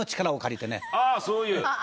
ああそういう。